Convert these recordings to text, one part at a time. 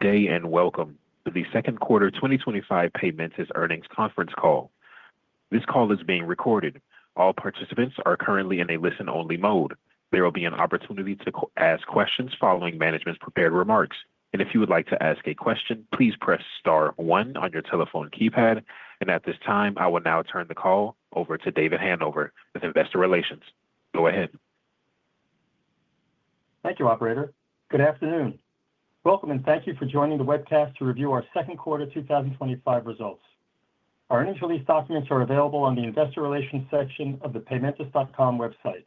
Today, and welcome to the second quarter 2025 Paymentus earnings conference call. This call is being recorded. All participants are currently in a listen-only mode. There will be an opportunity to ask questions following management's prepared remarks. If you would like to ask a question, please press *1 on your telephone keypad. At this time, I will now turn the call over to David Hanover with Investor Relations. Go ahead. Thank you, Operator. Good afternoon. Welcome, and thank you for joining the webcast to review our second quarter 2025 results. Our earnings release documents are available on the Investor Relations section of the paymentus.com website.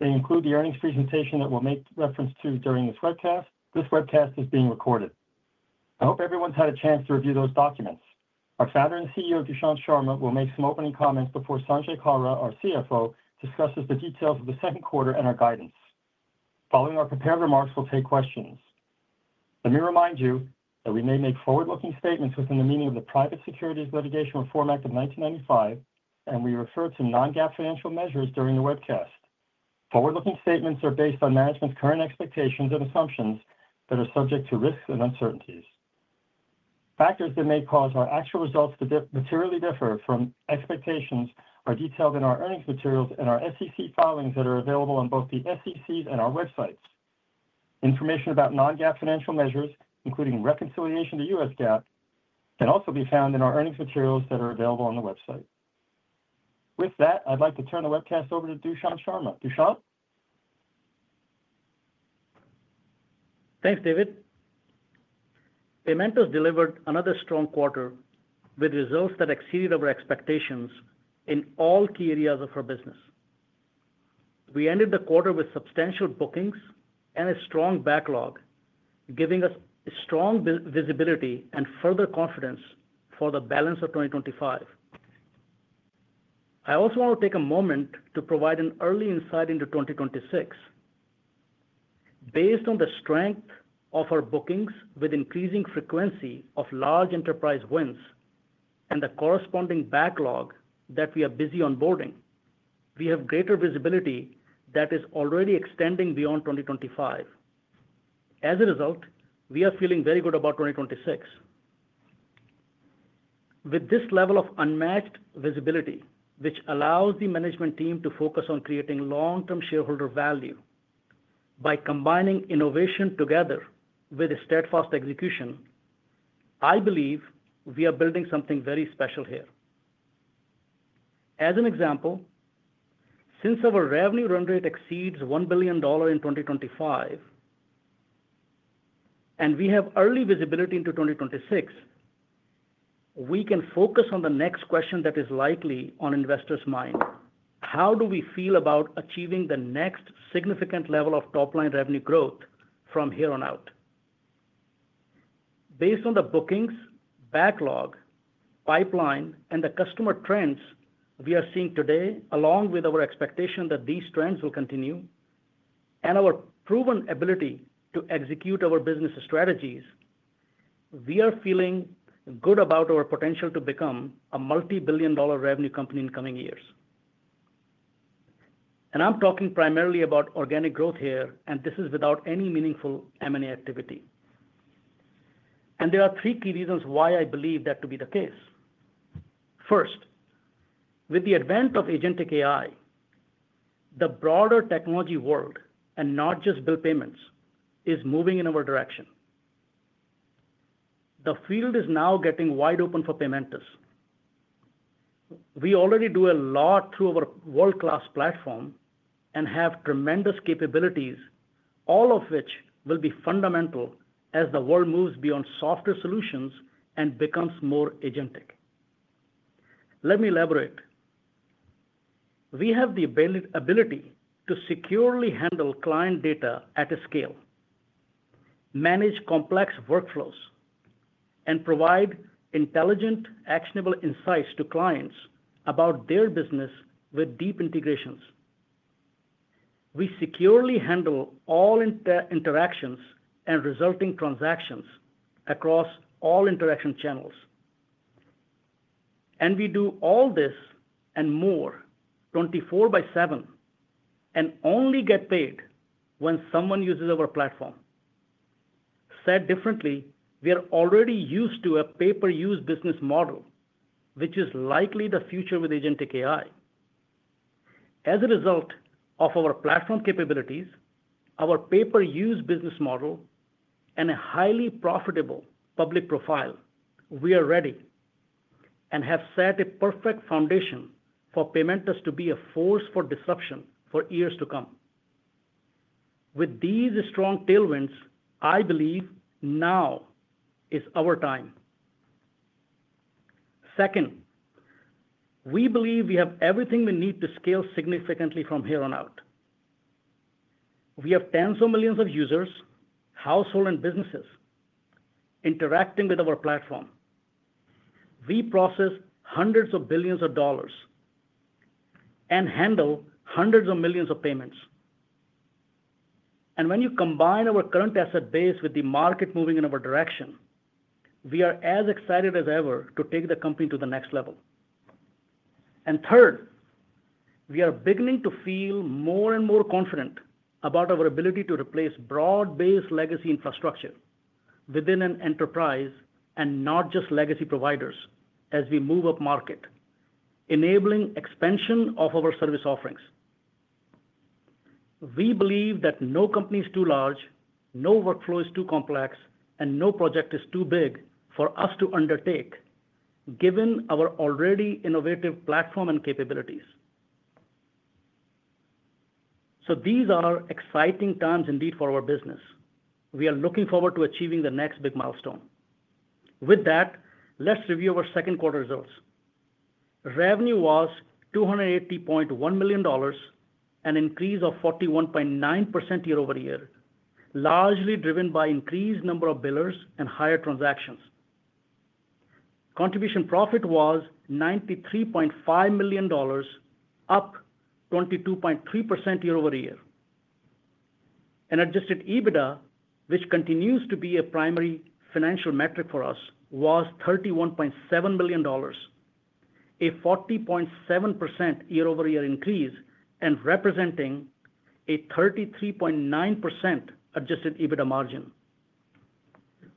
They include the earnings presentation that we'll make reference to during this webcast. This webcast is being recorded. I hope everyone's had a chance to review those documents. Our Founder and CEO, Dushyant Sharma, will make some opening comments before Sanjay Kalra, our CFO, discusses the details of the second quarter and our guidance. Following our prepared remarks, we'll take questions. Let me remind you that we may make forward-looking statements within the meaning of the Private Securities Litigation Reform Act of 1995, and we refer to non-GAAP financial measures during the webcast. Forward-looking statements are based on management's current expectations and assumptions that are subject to risks and uncertainties. Factors that may cause our actual results to materially differ from expectations are detailed in our earnings materials and our SEC filings that are available on both the SEC's and our websites. Information about non-GAAP financial measures, including reconciliation to U.S. GAAP, can also be found in our earnings materials that are available on the website. With that, I'd like to turn the webcast over to Dushyant Sharma. Dushyant? Thanks, David. Paymentus delivered another strong quarter with results that exceeded our expectations in all key areas of our business. We ended the quarter with substantial bookings and a strong backlog, giving us strong visibility and further confidence for the balance of 2025. I also want to take a moment to provide an early insight into 2026. Based on the strength of our bookings, with increasing frequency of large enterprise wins, and the corresponding backlog that we are busy onboarding, we have greater visibility that is already extending beyond 2025. As a result, we are feeling very good about 2026. With this level of unmatched visibility, which allows the management team to focus on creating long-term shareholder value by combining innovation together with steadfast execution, I believe we are building something very special here. As an example, since our revenue run rate exceeds $1 billion in 2025, and we have early visibility into 2026, we can focus on the next question that is likely on investors' minds: How do we feel about achieving the next significant level of top-line revenue growth from here on out? Based on the bookings, backlog, pipeline, and the customer trends we are seeing today, along with our expectation that these trends will continue, and our proven ability to execute our business strategies, we are feeling good about our potential to become a multi-billion dollar revenue company in the coming years. I'm talking primarily about organic growth here, and this is without any meaningful M&A activity. There are three key reasons why I believe that to be the case. First, with the advent of agentic AI, the broader technology world, and not just bill payments, is moving in our direction. The field is now getting wide open for Paymentus. We already do a lot through our world-class platform and have tremendous capabilities, all of which will be fundamental as the world moves beyond softer solutions and becomes more agentic. Let me elaborate. We have the ability to securely handle client data at a scale, manage complex workflows, and provide intelligent, actionable insights to clients about their business with deep integrations. We securely handle all interactions and resulting transactions across all interaction channels. We do all this and more 24 by 7 and only get paid when someone uses our platform. Said differently, we are already used to a pay-per-use business model, which is likely the future with agentic AI. As a result of our platform capabilities, our pay-per-use business model, and a highly profitable public profile, we are ready and have set a perfect foundation for Paymentus to be a force for disruption for years to come. With these strong tailwinds, I believe now is our time. Second, we believe we have everything we need to scale significantly from here on out. We have tens of millions of users, households, and businesses interacting with our platform. We process hundreds of billions of dollars and handle hundreds of millions of payments. When you combine our current asset base with the market moving in our direction, we are as excited as ever to take the company to the next level. Third, we are beginning to feel more and more confident about our ability to replace broad-based legacy infrastructure within an enterprise and not just legacy providers as we move up market, enabling expansion of our service offerings. We believe that no company is too large, no workflow is too complex, and no project is too big for us to undertake, given our already innovative platform and capabilities. These are exciting times indeed for our business. We are looking forward to achieving the next big milestone. With that, let's review our second quarter results. Revenue was $280.1 million, an increase of 41.9% year-over-year, largely driven by increased number of billers and higher transactions. Contribution profit was $93.5 million, up 22.3% year-over-year. Adjusted EBITDA, which continues to be a primary financial metric for us, was $31.7 million, a 40.7% year-over-year increase and representing a 33.9% adjusted EBITDA margin.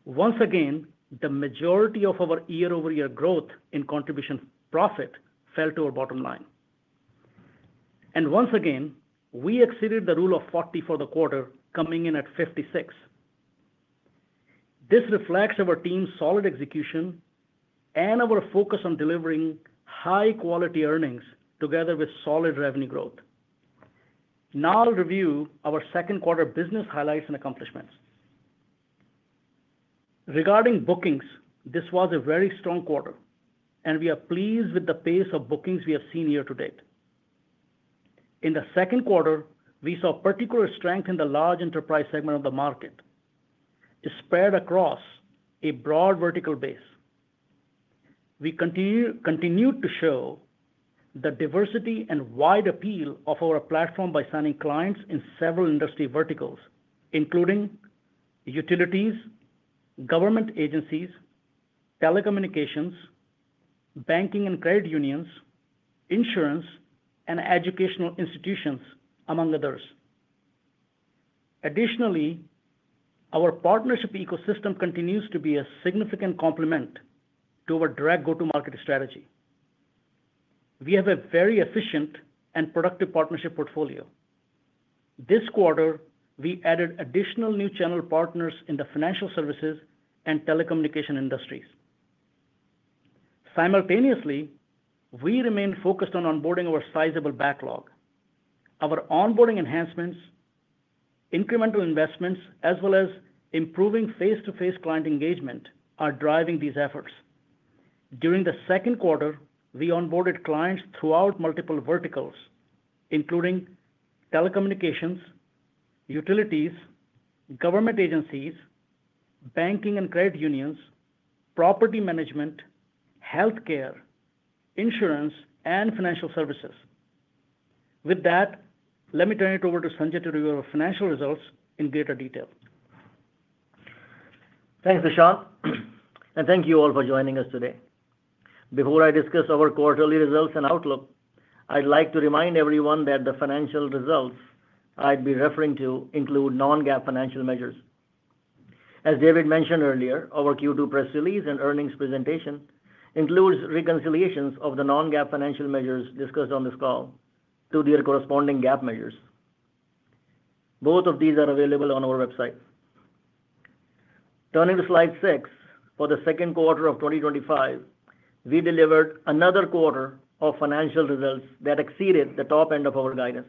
Once again, the majority of our year-over-year growth in contribution profit fell to our bottom line. Once again, we exceeded the Rule of 40 for the quarter, coming in at 56. This reflects our team's solid execution and our focus on delivering high-quality earnings together with solid revenue growth. Now I'll review our second quarter business highlights and accomplishments. Regarding bookings, this was a very strong quarter, and we are pleased with the pace of bookings we have seen year to date. In the second quarter, we saw particular strength in the large enterprise segment of the market, spread across a broad vertical base. We continued to show the diversity and wide appeal of our platform by signing clients in several industry verticals, including utilities, government agencies, telecommunications, banking and credit unions, insurance, and educational institutions, among others. Additionally, our partnership ecosystem continues to be a significant complement to our direct go-to-market strategy. We have a very efficient and productive partnership portfolio. This quarter, we added additional new channel partners in the financial services and telecommunication industries. Simultaneously, we remain focused on onboarding our sizable backlog. Our onboarding enhancements, incremental investments, as well as improving face-to-face client engagement, are driving these efforts. During the second quarter, we onboarded clients throughout multiple verticals, including telecommunications, utilities, government agencies, banking and credit unions, property management, healthcare, insurance, and financial services. With that, let me turn it over to Sanjay to review our financial results in greater detail. Thanks, Dushyant, and thank you all for joining us today. Before I discuss our quarterly results and outlook, I'd like to remind everyone that the financial results I'd be referring to include non-GAAP financial measures. As David mentioned earlier, our Q2 press release and earnings presentation include reconciliations of the non-GAAP financial measures discussed on this call to their corresponding GAAP measures. Both of these are available on our website. Turning to slide six, for the second quarter of 2025, we delivered another quarter of financial results that exceeded the top end of our guidance.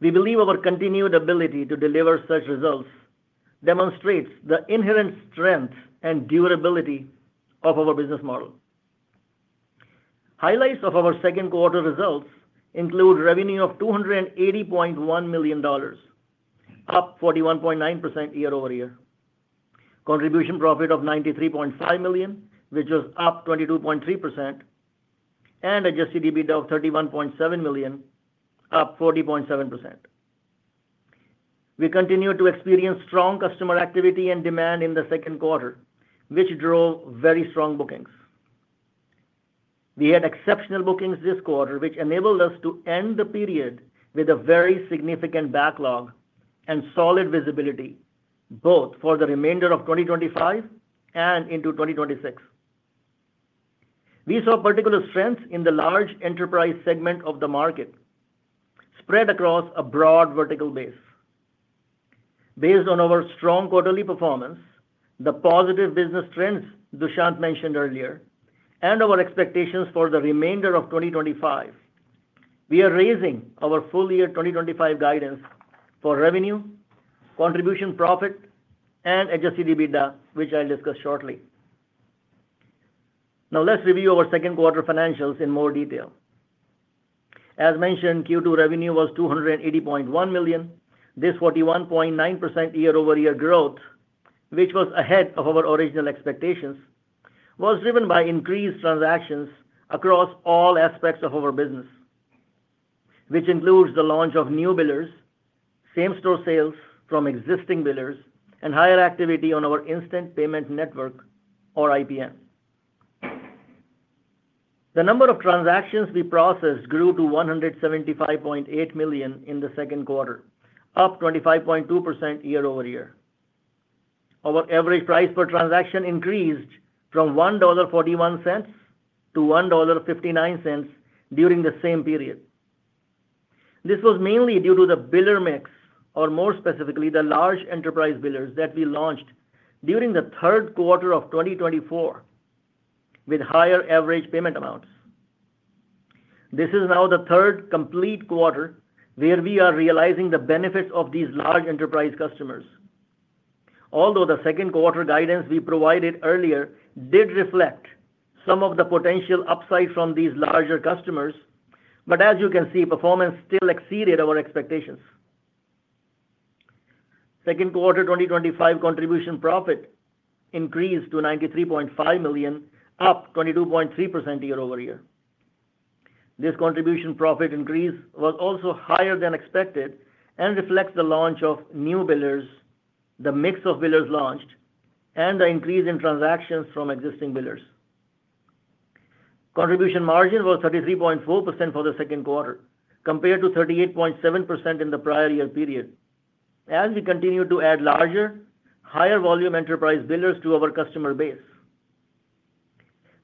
We believe our continued ability to deliver such results demonstrates the inherent strength and durability of our business model. Highlights of our second quarter results include revenue of $280.1 million, up 41.9% year-over-year, contribution profit of $93.5 million, which was up 22.3%, and adjusted EBITDA of $31.7 million, up 40.7%. We continued to experience strong customer activity and demand in the second quarter, which drove very strong bookings. We had exceptional bookings this quarter, which enabled us to end the period with a very significant backlog and solid visibility, both for the remainder of 2025 and into 2026. We saw particular strength in the large enterprise segment of the market, spread across a broad vertical base. Based on our strong quarterly performance, the positive business trends Dushyant mentioned earlier, and our expectations for the remainder of 2025, we are raising our full-year 2025 guidance for revenue, contribution profit, and adjusted EBITDA, which I'll discuss shortly. Now, let's review our second quarter financials in more detail. As mentioned, Q2 revenue was $280.1 million. This 41.9% year-over-year growth, which was ahead of our original expectations, was driven by increased transactions across all aspects of our business, which includes the launch of new billers, same-store sales from existing billers, and higher activity on our Instant Payment Network, or IPN. The number of transactions we processed grew to 175.8 million in the second quarter, up 25.2% year-over-year. Our average price per transaction increased from $1.41 to $1.59 during the same period. This was mainly due to the biller mix, or more specifically, the large enterprise billers that we launched during the third quarter of 2024, with higher average payment amounts. This is now the third complete quarter where we are realizing the benefits of these large enterprise customers. Although the second quarter guidance we provided earlier did reflect some of the potential upside from these larger customers, as you can see, performance still exceeded our expectations. Second quarter 2025 contribution profit increased to $93.5 million, up 22.3% year-over-year. This contribution profit increase was also higher than expected and reflects the launch of new billers, the mix of billers launched, and the increase in transactions from existing billers. Contribution margin was 33.4% for the second quarter, compared to 38.7% in the prior year period, as we continued to add larger, higher-volume enterprise billers to our customer base.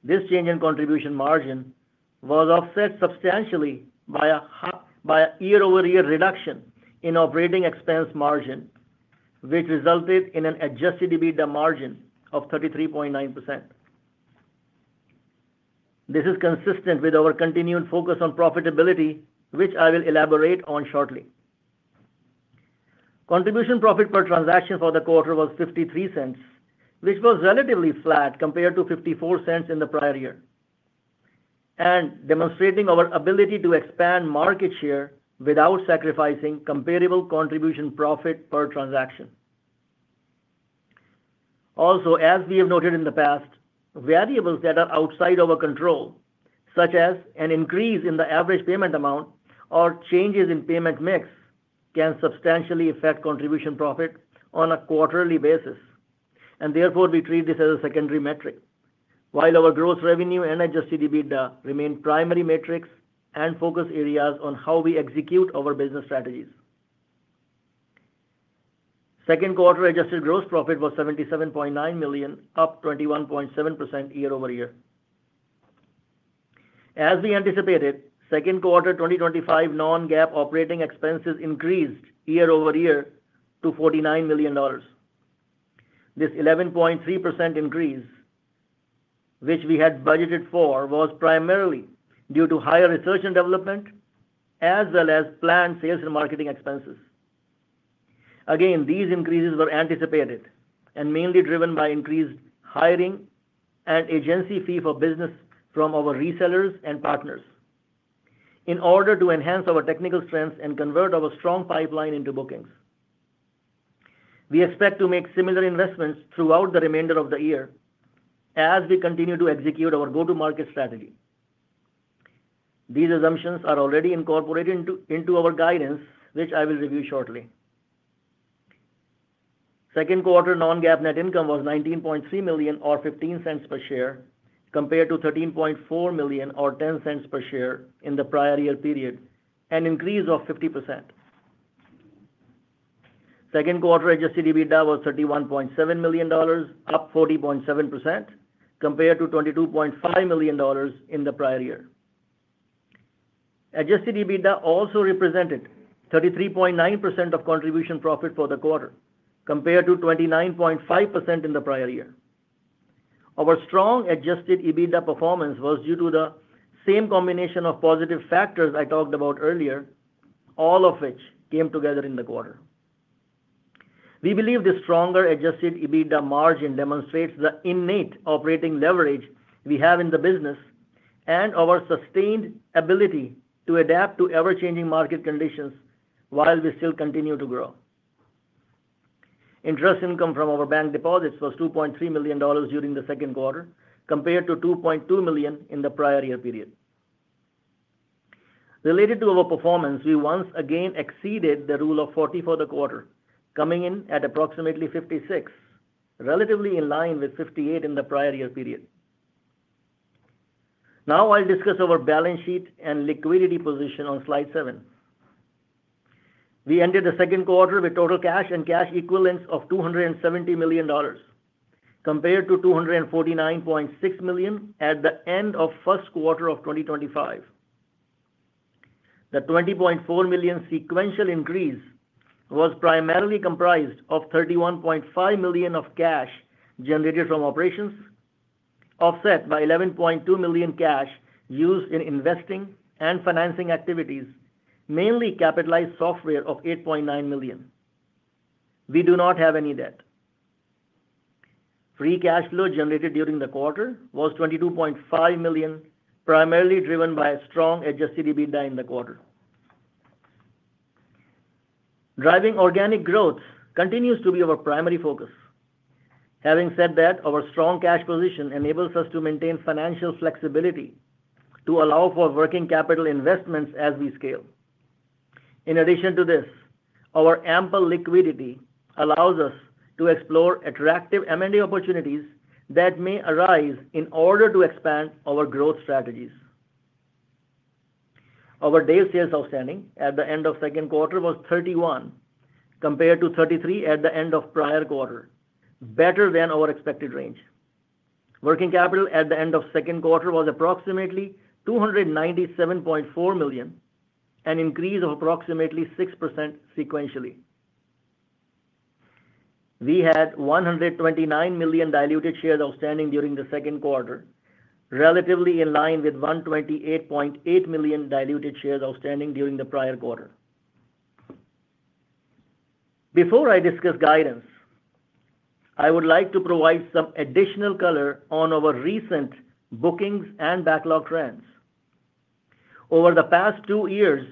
This change in contribution margin was offset substantially by a year-over-year reduction in operating expense margin, which resulted in an adjusted EBITDA margin of 33.9%. This is consistent with our continued focus on profitability, which I will elaborate on shortly. Contribution profit per transaction for the quarter was $0.53, which was relatively flat compared to $0.54 in the prior year, demonstrating our ability to expand market share without sacrificing comparable contribution profit per transaction. Also, as we have noted in the past, variables that are outside our control, such as an increase in the average payment amount or changes in payment mix, can substantially affect contribution profit on a quarterly basis. Therefore, we treat this as a secondary metric, while our gross revenue and adjusted EBITDA remain primary metrics and focus areas on how we execute our business strategies. Second quarter adjusted gross profit was $77.9 million, up 21.7% year-over-year. As we anticipated, second quarter 2025 non-GAAP operating expenses increased year-over-year to $49 million. This 11.3% increase, which we had budgeted for, was primarily due to higher research and development, as well as planned sales and marketing expenses. Again, these increases were anticipated and mainly driven by increased hiring and agency fee for business from our resellers and partners in order to enhance our technical strengths and convert our strong pipeline into bookings. We expect to make similar investments throughout the remainder of the year as we continue to execute our go-to-market strategy. These assumptions are already incorporated into our guidance, which I will review shortly. Second quarter non-GAAP net income was $19.3 million or $0.15 per share, compared to $13.4 million or $0.10 per share in the prior year period, an increase of 50%. Second quarter adjusted EBITDA was $31.7 million, up 40.7% compared to $22.5 million in the prior year. Adjusted EBITDA also represented 33.9% of contribution profit for the quarter, compared to 29.5% in the prior year. Our strong adjusted EBITDA performance was due to the same combination of positive factors I talked about earlier, all of which came together in the quarter. We believe this stronger adjusted EBITDA margin demonstrates the innate operating leverage we have in the business and our sustained ability to adapt to ever-changing market conditions while we still continue to grow. Interest income from our bank deposits was $2.3 million during the second quarter, compared to $2.2 million in the prior year period. Related to our performance, we once again exceeded the Rule of 40 for the quarter, coming in at approximately 56%, relatively in line with 58% in the prior year period. Now, I'll discuss our balance sheet and liquidity position on slide seven. We ended the second quarter with total cash and cash equivalents of $270 million, compared to $249.6 million at the end of the first quarter of 2025. The $20.4 million sequential increase was primarily comprised of $31.5 million of cash generated from operations, offset by $11.2 million cash used in investing and financing activities, mainly capitalized software of $8.9 million. We do not have any debt. Free cash flow generated during the quarter was $22.5 million, primarily driven by a strong adjusted EBITDA in the quarter. Driving organic growth continues to be our primary focus. Having said that, our strong cash position enables us to maintain financial flexibility to allow for working capital investments as we scale. In addition to this, our ample liquidity allows us to explore attractive M&A opportunities that may arise in order to expand our growth strategies. Our day sales outstanding at the end of the second quarter was $31, compared to $33 at the end of the prior quarter, better than our expected range. Working capital at the end of the second quarter was approximately $297.4 million, an increase of approximately 6% sequentially. We had 129 million diluted shares outstanding during the second quarter, relatively in line with 128.8 million diluted shares outstanding during the prior quarter. Before I discuss guidance, I would like to provide some additional color on our recent bookings and backlog trends. Over the past two years,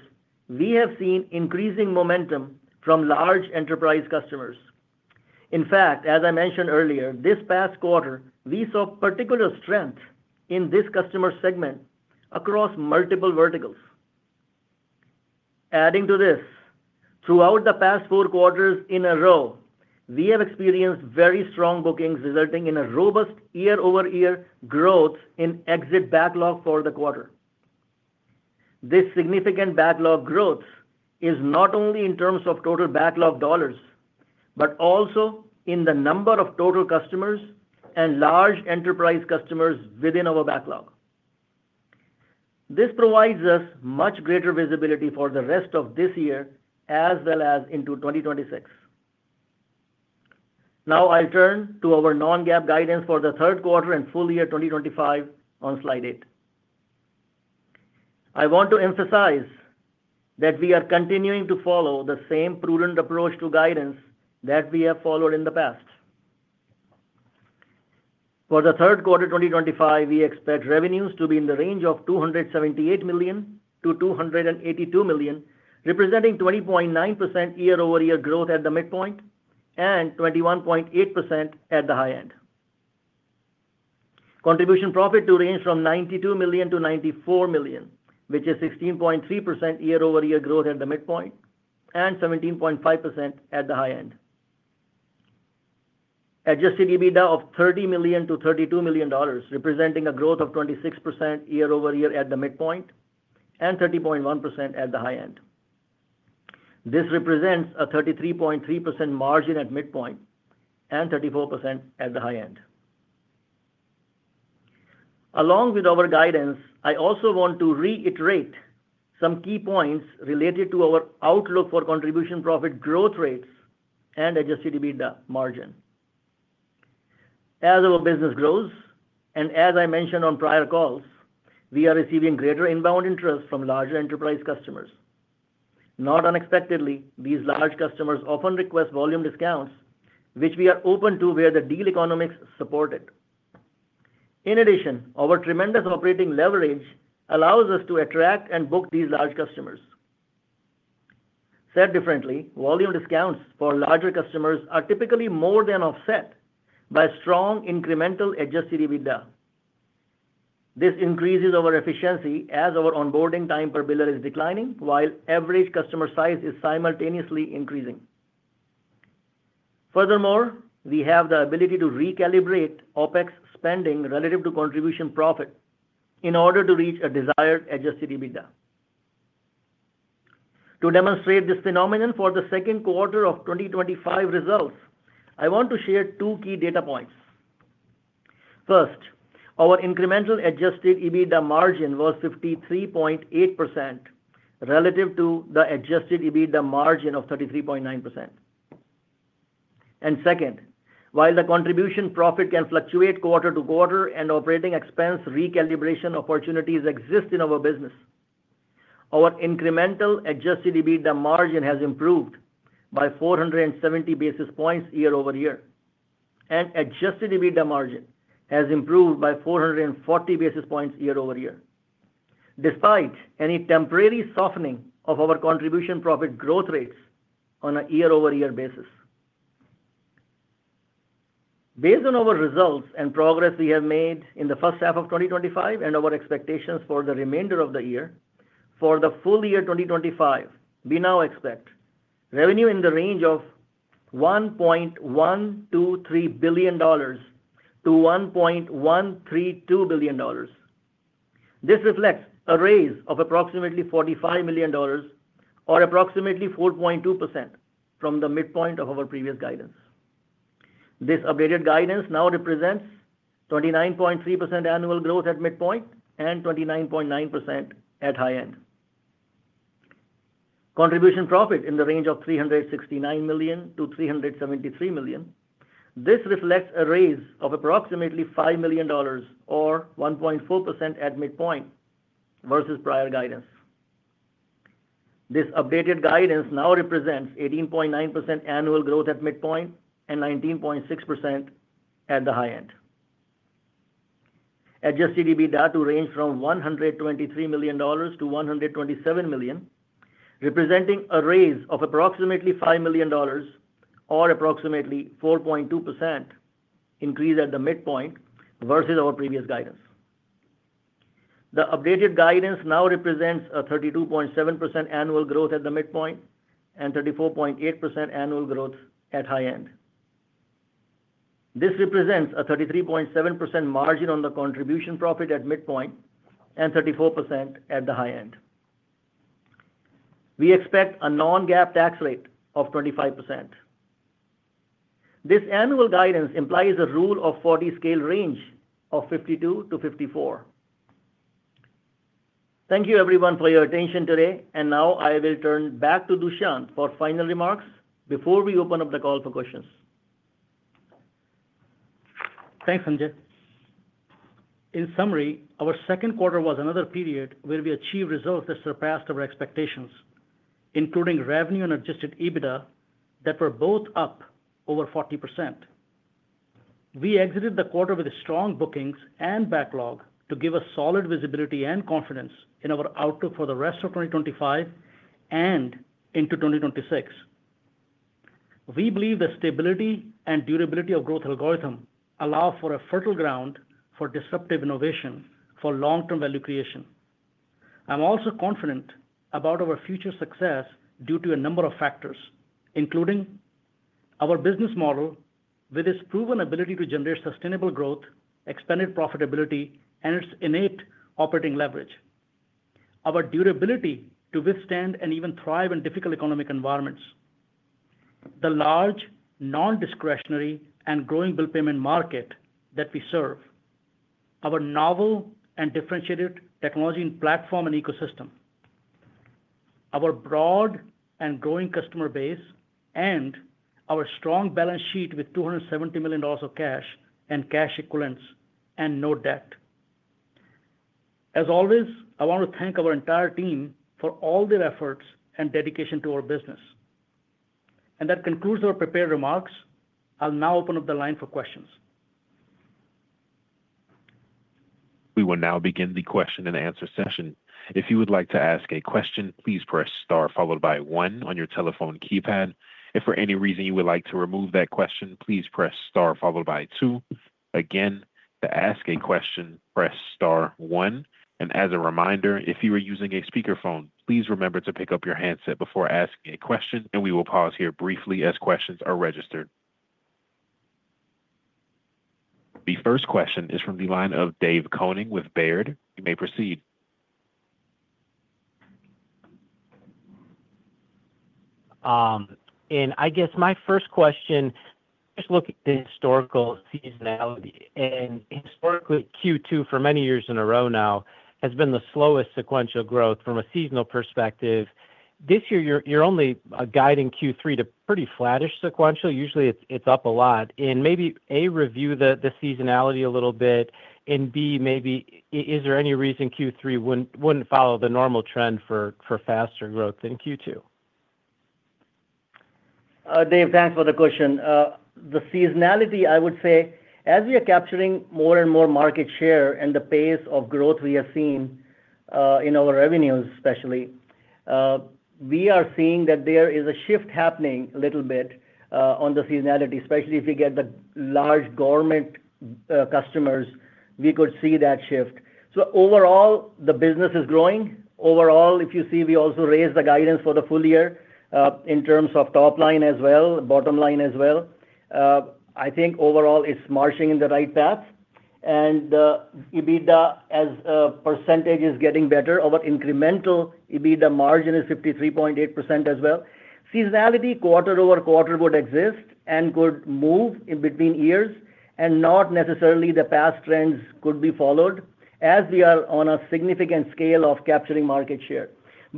we have seen increasing momentum from large enterprise customers. In fact, as I mentioned earlier, this past quarter, we saw particular strength in this customer segment across multiple verticals. Adding to this, throughout the past four quarters in a row, we have experienced very strong bookings, resulting in a robust year-over-year growth in exit backlog for the quarter. This significant backlog growth is not only in terms of total backlog dollars, but also in the number of total customers and large enterprise customers within our backlog. This provides us much greater visibility for the rest of this year, as well as into 2026. Now, I'll turn to our non-GAAP guidance for the third quarter and full year 2025 on slide eight. I want to emphasize that we are continuing to follow the same prudent approach to guidance that we have followed in the past. For the third quarter 2025, we expect revenues to be in the range of $278 million-$282 million, representing 20.9% year-over-year growth at the midpoint and 21.8% at the high end. Contribution profit to range from $92 million-$94 million, which is 16.3% year-over-year growth at the midpoint and 17.5% at the high end. Adjusted EBITDA of $30 million-$32 million, representing a growth of 26% year-over-year at the midpoint and 30.1% at the high end. This represents a 33.3% margin at midpoint and 34% at the high end. Along with our guidance, I also want to reiterate some key points related to our outlook for contribution profit growth rates and adjusted EBITDA margin. As our business grows, and as I mentioned on prior calls, we are receiving greater inbound interest from larger enterprise customers. Not unexpectedly, these large customers often request volume discounts, which we are open to where the deal economics support it. In addition, our tremendous operating leverage allows us to attract and book these large customers. Said differently, volume discounts for larger customers are typically more than offset by strong incremental adjusted EBITDA. This increases our efficiency as our onboarding time per biller is declining, while average customer size is simultaneously increasing. Furthermore, we have the ability to recalibrate OpEx spending relative to contribution profit in order to reach a desired adjusted EBITDA. To demonstrate this phenomenon for the second quarter of 2025 results, I want to share two key data points. First, our incremental adjusted EBITDA margin was 53.8% relative to the adjusted EBITDA margin of 33.9%. Second, while the contribution profit can fluctuate quarter to quarter and operating expense recalibration opportunities exist in our business, our incremental adjusted EBITDA margin has improved by 470 basis points year-over-year, and adjusted EBITDA margin has improved by 440 basis points year-over-year, despite any temporary softening of our contribution profit growth rates on a year-over-year basis. Based on our results and progress we have made in the first half of 2025 and our expectations for the remainder of the year, for the full year 2025, we now expect revenue in the range of $1.123 billion-$1.132 billion. This reflects a raise of approximately $45 million, or approximately 4.2% from the midpoint of our previous guidance. This updated guidance now represents 29.3% annual growth at midpoint and 29.9% at the high end. Contribution profit in the range of $369 million-$373 million. This reflects a raise of approximately $5 million, or 1.4% at midpoint versus prior guidance. This updated guidance now represents 18.9% annual growth at midpoint and 19.6% at the high end. Adjusted EBITDA to range from $123 million-$127 million, representing a raise of approximately $5 million, or approximately 4.2% increase at the midpoint versus our previous guidance. The updated guidance now represents a 32.7% annual growth at the midpoint and 34.8% annual growth at the high end. This represents a 33.7% margin on the contribution profit at midpoint and 34% at the high end. We expect a non-GAAP tax rate of 25%. This annual guidance implies a Rule of 40 scale range of 52%-54%. Thank you, everyone, for your attention today. I will turn back to Dushyant for final remarks before we open up the call for questions. Thanks, Sanjay. In summary, our second quarter was another period where we achieved results that surpassed our expectations, including revenue and adjusted EBITDA that were both up over 40%. We exited the quarter with strong bookings and backlog to give us solid visibility and confidence in our outlook for the rest of 2025 and into 2026. We believe the stability and durability of the growth algorithm allow for a fertile ground for disruptive innovation for long-term value creation. I'm also confident about our future success due to a number of factors, including our business model with its proven ability to generate sustainable growth, expanded profitability, and its innate operating leverage, our durability to withstand and even thrive in difficult economic environments, the large, nondiscretionary, and growing bill payment market that we serve, our novel and differentiated technology and platform and ecosystem, our broad and growing customer base, and our strong balance sheet with $270 million of cash and cash equivalents and no debt. I want to thank our entire team for all their efforts and dedication to our business. That concludes our prepared remarks. I'll now open up the line for questions. We will now begin the question and answer session. If you would like to ask a question, please press *1 on your telephone keypad. If for any reason you would like to remove that question, please press *2. To ask a question, press *1. As a reminder, if you are using a speakerphone, please remember to pick up your handset before asking a question. We will pause here briefly as questions are registered. The first question is from the line of Dave Koning with Baird. You may proceed. My first question, just looking at [the historical seasonality]. Historically, Q2, for many years in a row now, has been the slowest sequential growth from a seasonal perspective. This year, you're only guiding Q3 to pretty flattish sequential. Usually, it's up a lot. Maybe, A, review the seasonality a little bit, and B, maybe is there any reason Q3 wouldn't follow the normal trend for faster growth in Q2? Dave, thanks for the question. The seasonality, I would say, as we are capturing more and more market share and the pace of growth we have seen in our revenues, especially, we are seeing that there is a shift happening a little bit on the seasonality, especially if you get the large government customers. We could see that shift. Overall, the business is growing. Overall, if you see, we also raised the guidance for the full year in terms of top line as well, bottom line as well. I think overall, it's marching in the right path, and the EBITDA as a percentage is getting better. Our incremental EBITDA margin is 53.8% as well. Seasonality, quarter-over-quarter, would exist and could move in between years, and not necessarily the past trends could be followed as we are on a significant scale of capturing market share.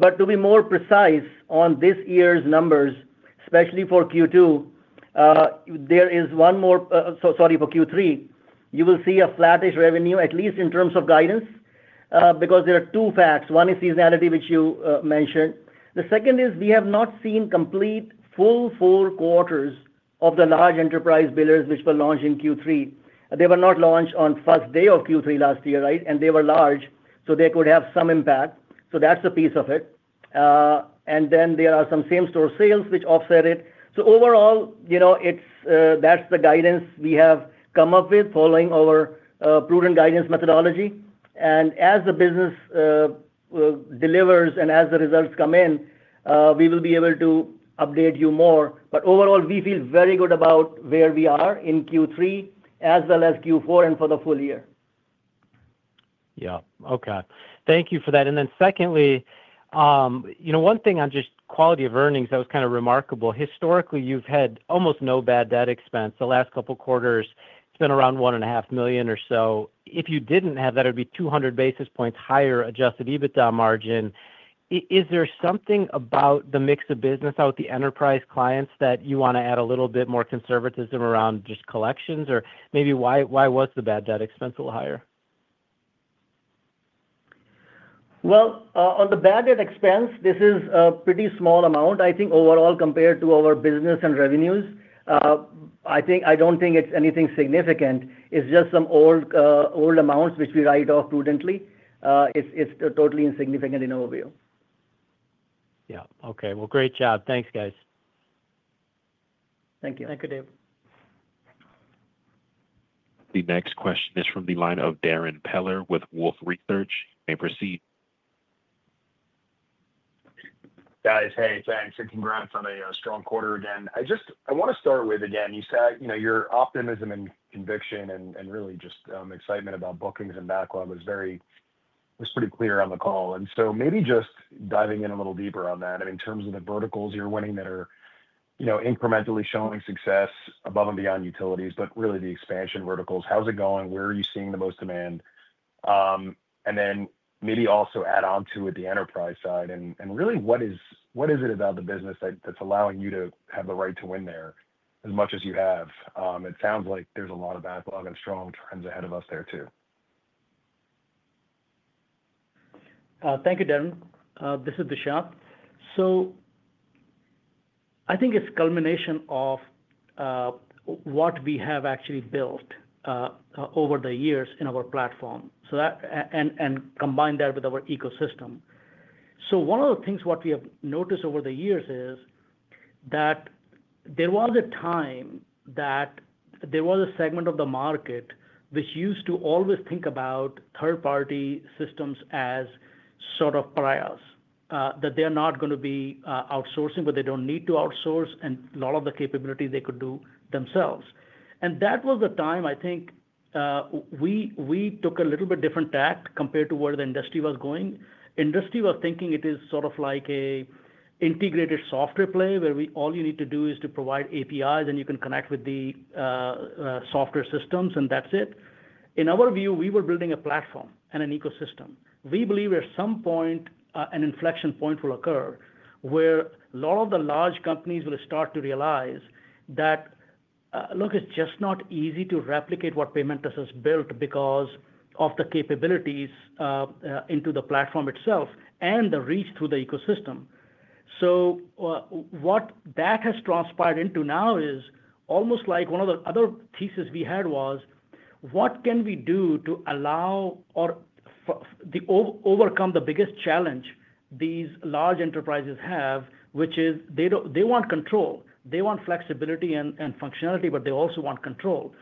To be more precise on this year's numbers, especially for Q2, there is one more, sorry, for Q3, you will see a flattish revenue, at least in terms of guidance, because there are two facts. One is seasonality, which you mentioned. The second is we have not seen complete full four quarters of the large enterprise billers which were launched in Q3. They were not launched on the first day of Q3 last year, right? They were large, so they could have some impact. That's a piece of it. There are some same-store sales which offset it. Overall, that's the guidance we have come up with following our prudent guidance methodology. As the business delivers and as the results come in, we will be able to update you more. Overall, we feel very good about where we are in Q3, as well as Q4 and for the full year. Okay. Thank you for that. Secondly, you know, one thing on just quality of earnings, that was kind of remarkable. Historically, you've had almost no bad debt expense. The last couple of quarters, it's been around $1.5 million or so. If you didn't have that, it would be 200 basis points higher adjusted EBITDA margin. Is there something about the mix of business out with the enterprise clients that you want to add a little bit more conservatism around just collections, or maybe why was the bad debt expense a little higher? On the bad debt expense, this is a pretty small amount. I think overall, compared to our business and revenues, I don't think it's anything significant. It's just some old amounts which we write off prudently. It's totally insignificant in our view. Okay. Great job. Thanks, guys. Thank you. Thank you, David. The next question is from the line of Darrin Peller with Wolfe Research. You may proceed. Thanks, and congrats on a strong quarter again. I want to start with your optimism and conviction and really just excitement about bookings and backlog was pretty clear on the call. Maybe just diving in a little deeper on that. In terms of the verticals you're winning that are incrementally showing success above and beyond utilities, but really the expansion verticals, how's it going? Where are you seeing the most demand? Maybe also add on to it the enterprise side. What is it about the business that's allowing you to have the right to win there as much as you have? It sounds like there's a lot of backlog and strong trends ahead of us there too. Thank you, Darrin. This is Dushyant. I think it's a culmination of what we have actually built over the years in our platform and combine that with our ecosystem. One of the things we have noticed over the years is that there was a time that there was a segment of the market which used to always think about third-party systems as sort of pariahs, that they are not going to be outsourcing, but they don't need to outsource, and a lot of the capability they could do themselves. That was the time I think we took a little bit different tact compared to where the industry was going. The industry was thinking it is sort of like an integrated software play where all you need to do is to provide APIs and you can connect with the software systems and that's it. In our view, we were building a platform and an ecosystem. We believe at some point an inflection point will occur where a lot of the large companies will start to realize that, look, it's just not easy to replicate what Paymentus has built because of the capabilities into the platform itself and the reach through the ecosystem. What that has transpired into now is almost like one of the other thesis we had was, what can we do to allow or overcome the biggest challenge these large enterprises have, which is they want control. They want flexibility and functionality, but they also want control.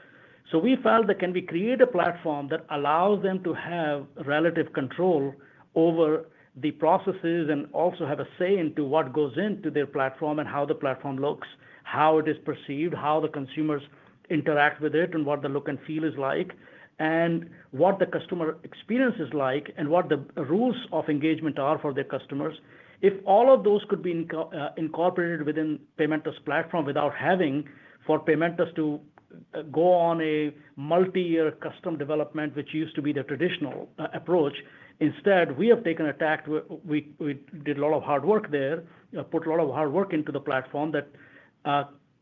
We felt that can we create a platform that allows them to have relative control over the processes and also have a say into what goes into their platform and how the platform looks, how it is perceived, how the consumers interact with it and what the look and feel is like, and what the customer experience is like, and what the rules of engagement are for their customers. If all of those could be incorporated within Paymentus' platform without having for Paymentus to go on a multi-year custom development, which used to be the traditional approach. Instead, we have taken a tact. We did a lot of hard work there, put a lot of hard work into the platform that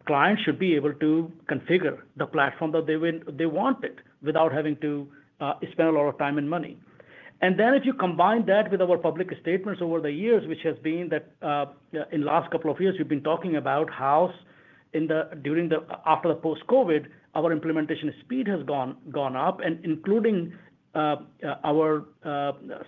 clients should be able to configure the platform that they wanted without having to spend a lot of time and money. If you combine that with our public statements over the years, which has been that in the last couple of years, we've been talking about how after the post-COVID, our implementation speed has gone up, including our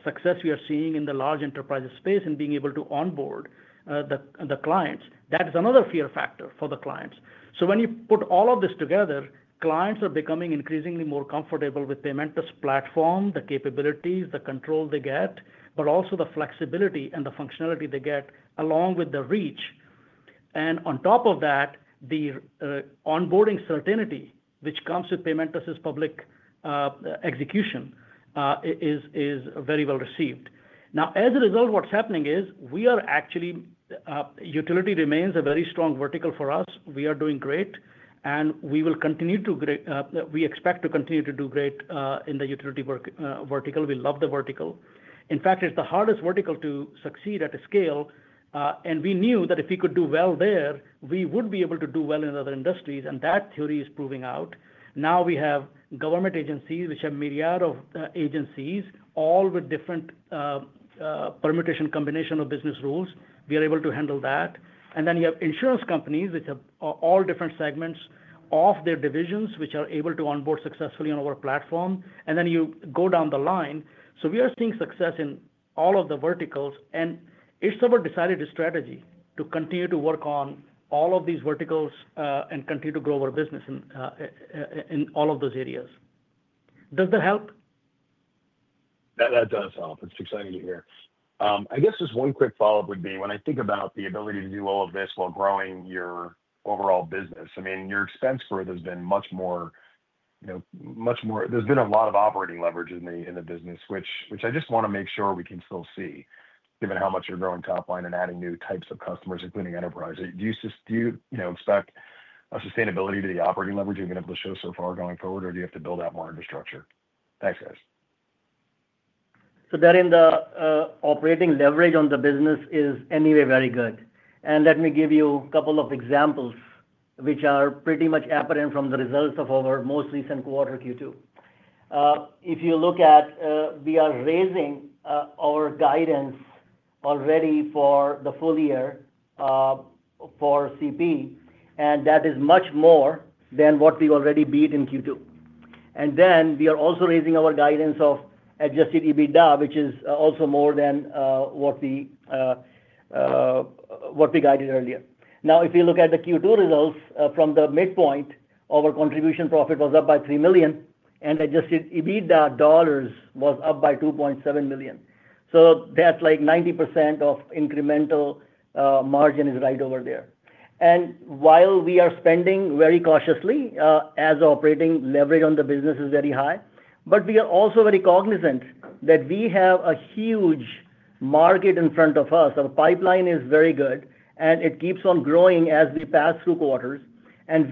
success we are seeing in the large enterprise space and being able to onboard the clients. That is another fear factor for the clients. When you put all of this together, clients are becoming increasingly more comfortable with Paymentus' platform, the capabilities, the control they get, but also the flexibility and the functionality they get, along with the reach. On top of that, the onboarding certainty, which comes with Paymentus' public execution, is very well received. As a result, what's happening is we are actually, utility remains a very strong vertical for us. We are doing great, and we will continue to, we expect to continue to do great in the utility vertical. We love the vertical. In fact, it's the hardest vertical to succeed at a scale. We knew that if we could do well there, we would be able to do well in other industries, and that theory is proving out. Now we have government agencies, which have a myriad of agencies, all with different permutation combination of business rules. We are able to handle that. You have insurance companies, which have all different segments of their divisions, which are able to onboard successfully on our platform. You go down the line. We are seeing success in all of the verticals, and it's our decided strategy to continue to work on all of these verticals and continue to grow our business in all of those areas. Does that help? That does help. It's exciting to hear. I guess just one quick follow-up would be, when I think about the ability to do all of this while growing your overall business, your expense growth has been much more, you know, much more, there's been a lot of operating leverage in the business, which I just want to make sure we can still see, given how much you're growing top line and adding new types of customers, including enterprise. Do you suspect a sustainability to the operating leverage you've been able to show so far going forward, or do you have to build out more infrastructure? Thanks, guys. Darrin, the operating leverage on the business is anyway very good. Let me give you a couple of examples, which are pretty much apparent from the results of our most recent quarter, Q2. If you look at, we are raising our guidance already for the full year for CP, and that is much more than what we already beat in Q2. We are also raising our guidance of adjusted EBITDA, which is also more than what we guided earlier. If you look at the Q2 results, from the midpoint, our contribution profit was up by $3 million, and adjusted EBITDA dollars was up by $2.7 million. That's like 90% of incremental margin is right over there. While we are spending very cautiously, as operating leverage on the business is very high, we are also very cognizant that we have a huge market in front of us. Our pipeline is very good, and it keeps on growing as we pass through quarters.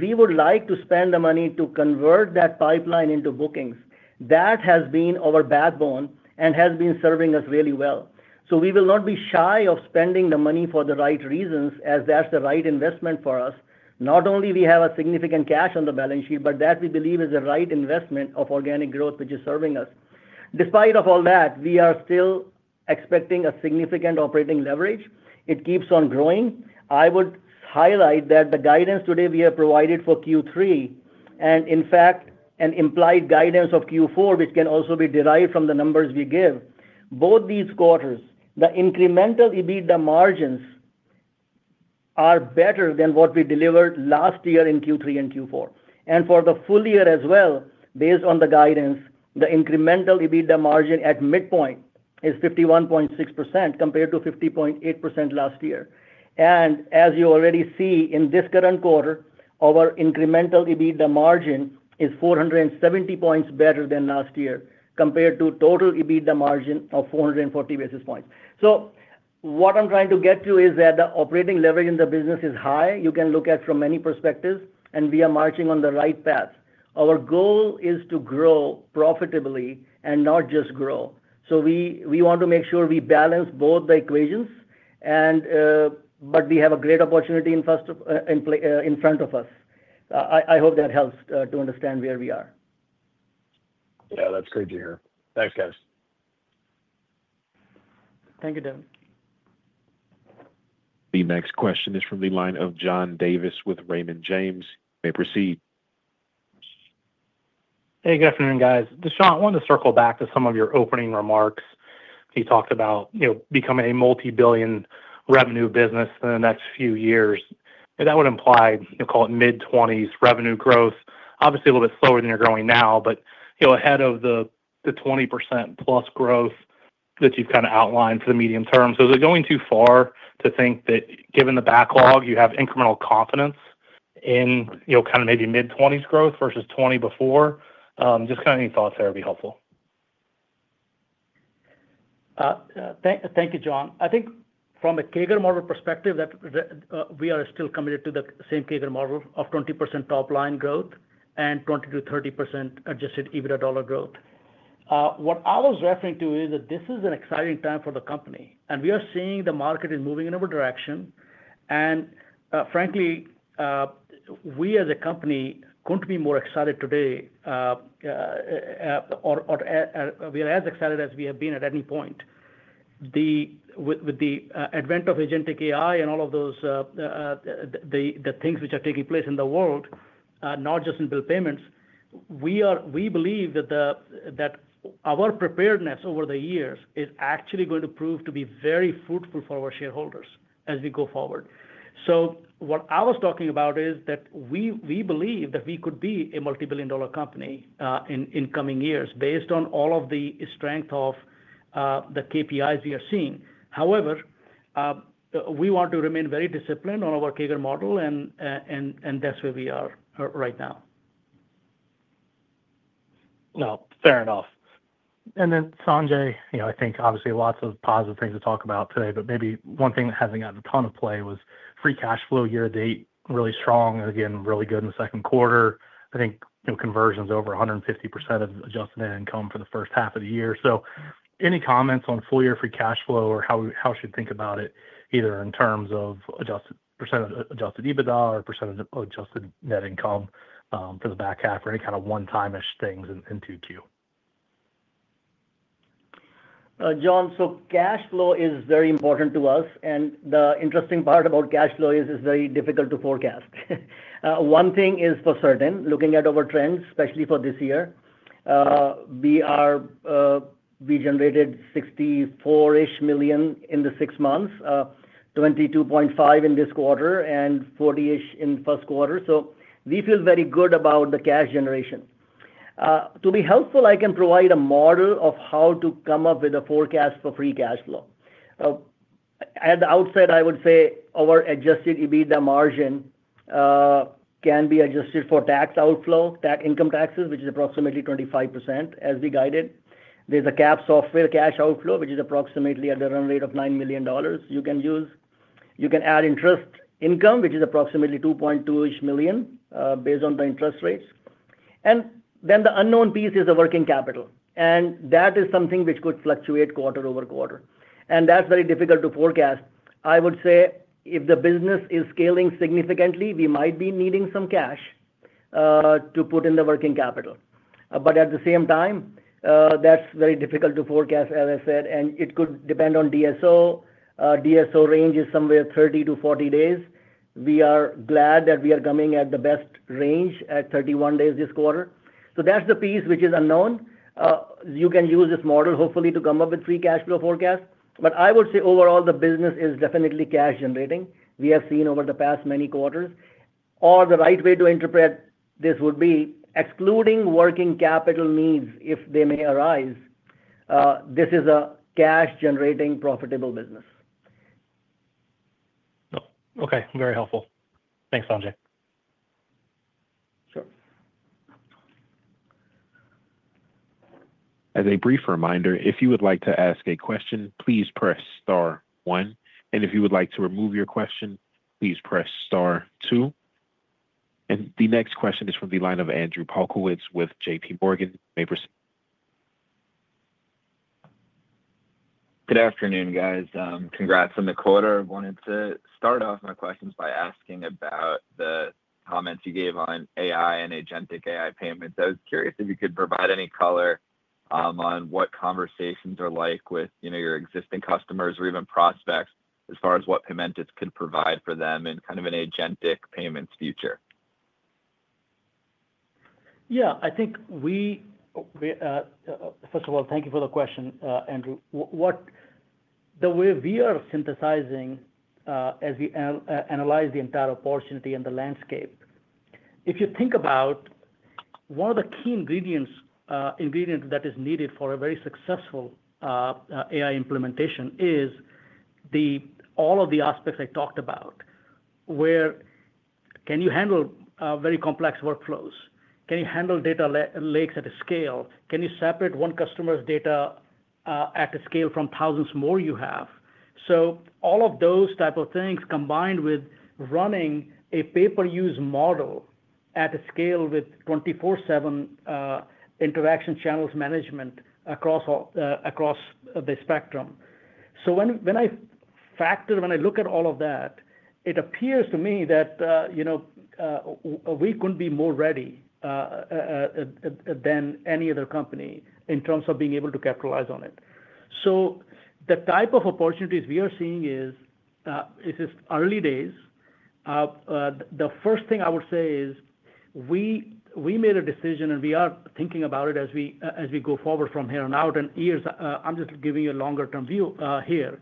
We would like to spend the money to convert that pipeline into bookings. That has been our backbone and has been serving us really well. We will not be shy of spending the money for the right reasons, as that's the right investment for us. Not only do we have significant cash on the balance sheet, but that we believe is the right investment of organic growth, which is serving us. Despite all that, we are still expecting a significant operating leverage. It keeps on growing. I would highlight that the guidance today we have provided for Q3, and in fact, an implied guidance of Q4, which can also be derived from the numbers we give, both these quarters, the incremental EBITDA margins are better than what we delivered last year in Q3 and Q4. For the full year as well, based on the guidance, the incremental EBITDA margin at midpoint is 51.6% compared to 50.8% last year. As you already see, in this current quarter, our incremental EBITDA margin is 470 points better than last year compared to total EBITDA margin of 440 basis points. What I'm trying to get to is that the operating leverage in the business is high. You can look at it from many perspectives, and we are marching on the right path. Our goal is to grow profitably and not just grow. We want to make sure we balance both the equations, but we have a great opportunity in front of us. I hope that helps to understand where we are. Yeah, that's good to hear. Thanks, guys. Thank you, Darrin. The next question is from the line of John Davis with Raymond James. You may proceed. Hey, good afternoon, guys. Dushyant, I wanted to circle back to some of your opening remarks. You talked about becoming a multi-billion revenue business in the next few years. That would imply, call it mid-20s revenue growth. Obviously, a little bit slower than you're growing now, but ahead of the 20%+ growth that you've kind of outlined for the medium term. Is it going too far to think that given the backlog, you have incremental confidence in maybe mid-20s growth versus 20% before? Any thoughts there would be helpful. Thank you, John. I think from a CAGR model perspective, that we are still committed to the same CAGR model of 20% top line growth and 20 to 30% adjusted EBITDA dollar growth. What I was referring to is that this is an exciting time for the company, and we are seeing the market is moving in a direction. Frankly, we as a company couldn't be more excited today, or we are as excited as we have been at any point. With the advent of agentic AI and all of those things which are taking place in the world, not just in bill payments, we believe that our preparedness over the years is actually going to prove to be very fruitful for our shareholders as we go forward. What I was talking about is that we believe that we could be a multi-billion dollar company in coming years based on all of the strength of the KPIs we are seeing. However, we want to remain very disciplined on our CAGR model, and that's where we are right now. No, fair enough. Sanjay, I think obviously lots of positive things to talk about today, but maybe one thing that hasn't gotten a ton of play was free cash flow year to date, really strong and again, really good in the second quarter. I think conversions over 150% of adjusted net income for the first half of the year. Any comments on full year free cash flow or how we should think about it, either in terms of percentage of adjusted EBITDA or percentage of adjusted net income for the back half or any kind of one-time-ish things in 2Q? John, cash flow is very important to us, and the interesting part about cash flow is it's very difficult to forecast. One thing is for certain, looking at our trends, especially for this year, we generated $64-ish million in the six months, $22.5 million in this quarter, and $40-ish million in the first quarter. We feel very good about the cash generation. To be helpful, I can provide a model of how to come up with a forecast for free cash flow. At the outset, I would say our adjusted EBITDA margin can be adjusted for tax outflow, income taxes, which is approximately 25% as we guided. There's a CapEx software cash outflow, which is approximately at the run rate of $9 million you can use. You can add interest income, which is approximately $2.2-ish million based on the interest rates. The unknown piece is the working capital, and that is something which could fluctuate quarter-over-quarter. That's very difficult to forecast. I would say if the business is scaling significantly, we might be needing some cash to put in the working capital. At the same time, that's very difficult to forecast, as I said, and it could depend on DSO. DSO range is somewhere 30-40 days. We are glad that we are coming at the best range at 31 days this quarter. That's the piece which is unknown. You can use this model, hopefully, to come up with free cash flow forecasts. I would say overall, the business is definitely cash generating. We have seen over the past many quarters, or the right way to interpret this would be excluding working capital needs if they may arise. This is a cash-generating profitable business. Okay, very helpful. Thanks, Sanjay. As a brief reminder, if you would like to ask a question, please press *1. If you would like to remove your question, please press *2. The next question is from the line of Andrew Polkowitz with JPMorgan. You may proceed. Good afternoon, guys. Congrats on the quarter. I wanted to start off my questions by asking about the comments you gave on AI and agentic AI payments. I was curious if you could provide any color on what conversations are like with your existing customers or even prospects as far as what Paymentus could provide for them in kind of an agentic payments future. Yeah, I think we, first of all, thank you for the question, Andrew. The way we are synthesizing as we analyze the entire opportunity and the landscape, if you think about one of the key ingredients that is needed for a very successful AI implementation is all of the aspects I talked about. Where can you handle very complex workflows? Can you handle data lakes at a scale? Can you separate one customer's data at a scale from thousands more you have? All of those types of things combined with running a pay-per-use model at a scale with 24/7 interaction channels management across the spectrum. When I factor, when I look at all of that, it appears to me that we couldn't be more ready than any other company in terms of being able to capitalize on it. The type of opportunities we are seeing is, it's just early days. The first thing I would say is we made a decision and we are thinking about it as we go forward from here on out. I'm just giving you a longer-term view here,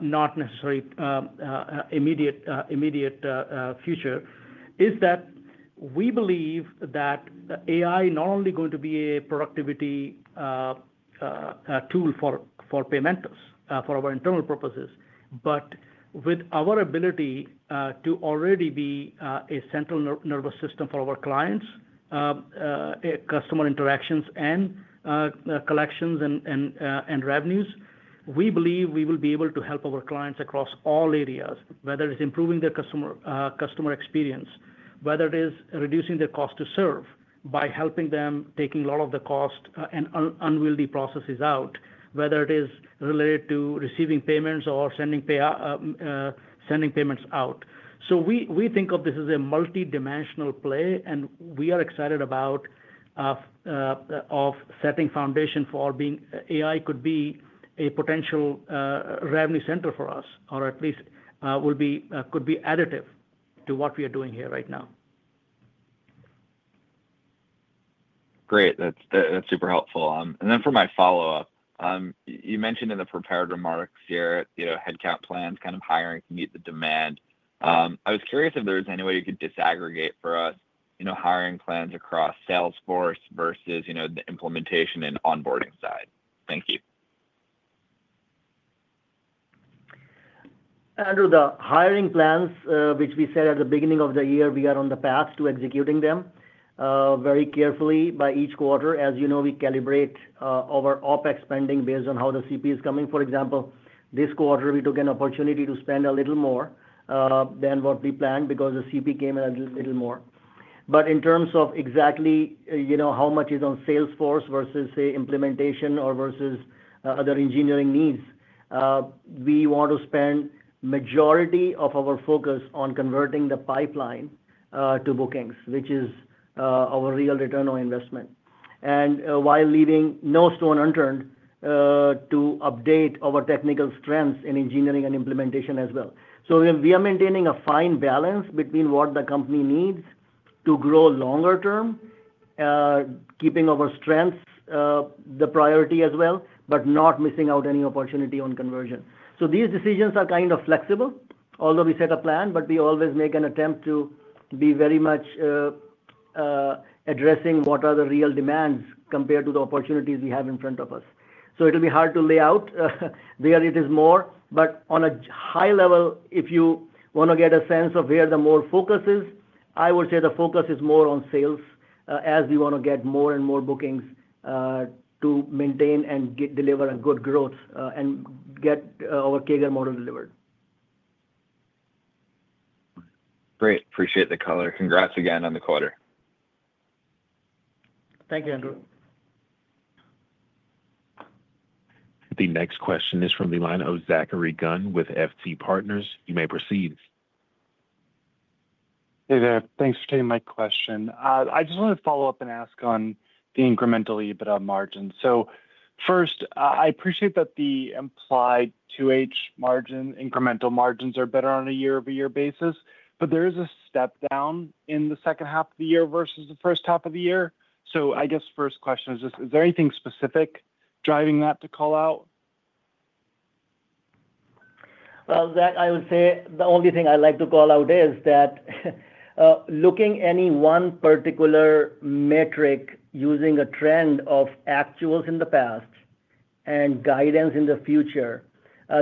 not necessarily immediate future, is that we believe that AI is not only going to be a productivity tool for Paymentus for our internal purposes, but with our ability to already be a central nervous system for our clients, customer interactions, and collections, and revenues, we believe we will be able to help our clients across all areas, whether it is improving their customer experience, whether it is reducing their cost to serve by helping them take a lot of the cost and unwieldy processes out, whether it is related to receiving payments or sending payments out. We think of this as a multi-dimensional play, and we are excited about setting the foundation for being AI could be a potential revenue center for us, or at least could be additive to what we are doing here right now. Great. That's super helpful. For my follow-up, you mentioned in the prepared remarks headcount plans, kind of hiring to meet the demand. I was curious if there's any way you could disaggregate for us, you know, hiring plans across Salesforce versus the implementation and onboarding side. Thank you. Andrew, the hiring plans, which we said at the beginning of the year, we are on the path to executing them very carefully by each quarter. As you know, we calibrate our OpEx spending based on how the CP is coming. For example, this quarter we took an opportunity to spend a little more than what we planned because the CP came in a little more. In terms of exactly, you know, how much is on Salesforce versus, say, implementation or versus other engineering needs, we want to spend the majority of our focus on converting the pipeline to bookings, which is our real return on investment. While leaving no stone unturned to update our technical strengths in engineering and implementation as well, we are maintaining a fine balance between what the company needs to grow longer term, keeping our strengths the priority as well, but not missing out any opportunity on conversion. These decisions are kind of flexible, although we set a plan, but we always make an attempt to be very much addressing what are the real demands compared to the opportunities we have in front of us. It'll be hard to lay out where it is more, but on a high level, if you want to get a sense of where the more focus is, I would say the focus is more on sales as we want to get more and more bookings to maintain and deliver a good growth and get our CAGR model delivered. Great. Appreciate the color. Congrats again on the quarter. Thank you, Andrew. The next question is from the line of Zachary Gunn with FT Partners. You may proceed. Hey there. Thanks for taking my question. I just wanted to follow up and ask on the incremental EBITDA margin. First, I appreciate that the implied 2H margin, incremental margins are better on a year-over-year basis, but there is a step down in the second half of the year versus the first half of the year. I guess first question is just, is there anything specific driving that to call out? The only thing I'd like to call out is that looking at any one particular metric using a trend of actuals in the past and guidance in the future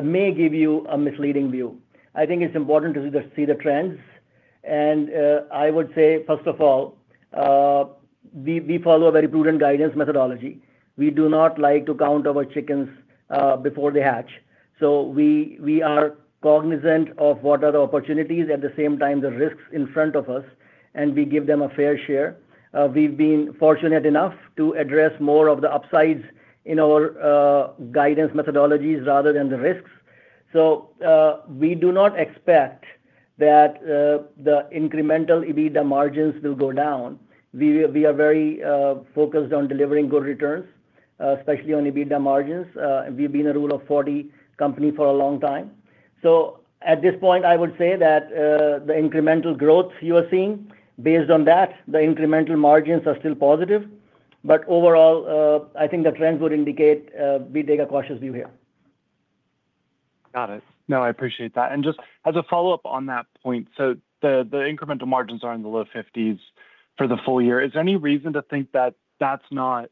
may give you a misleading view. I think it's important to see the trends. I would say, first of all, we follow a very prudent guidance methodology. We do not like to count our chickens before they hatch. We are cognizant of what are the opportunities, at the same time, the risks in front of us, and we give them a fair share. We've been fortunate enough to address more of the upsides in our guidance methodologies rather than the risks. We do not expect that the incremental EBITDA margins will go down. We are very focused on delivering good returns, especially on EBITDA margins. We've been a Rule of 40 company for a long time. At this point, I would say that the incremental growth you are seeing, based on that, the incremental margins are still positive. Overall, I think the trends would indicate we take a cautious view here. Got it. No, I appreciate that. Just as a follow-up on that point, the incremental margins are in the low 50% for the full year. Is there any reason to think that that's not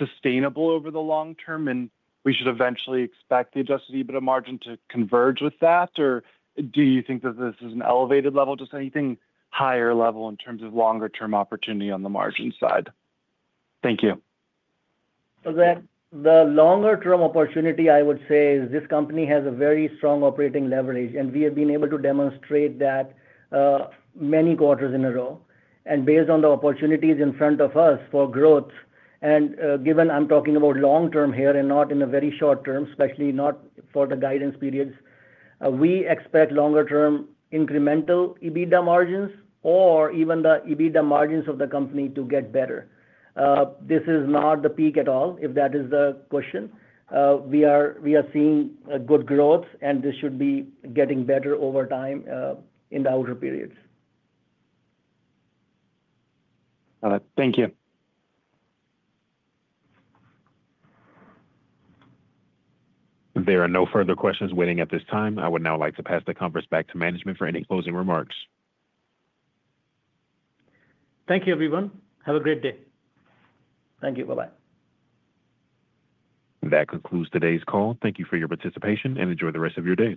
sustainable over the long term and we should eventually expect the adjusted EBITDA margin to converge with that, or do you think that this is an elevated level, just anything higher level in terms of longer-term opportunity on the margin side? Thank you. The longer-term opportunity, I would say, is this company has a very strong operating leverage, and we have been able to demonstrate that many quarters in a row. Based on the opportunities in front of us for growth, and given I'm talking about long term here and not in a very short term, especially not for the guidance periods, we expect longer-term incremental EBITDA margins or even the EBITDA margins of the company to get better. This is not the peak at all, if that is the question. We are seeing good growth, and this should be getting better over time in the outer periods. Got it. Thank you. There are no further questions waiting at this time. I would now like to pass the conference back to management for any closing remarks. Thank you, everyone. Have a great day. Thank you. Bye-bye. That concludes today's call. Thank you for your participation and enjoy the rest of your day.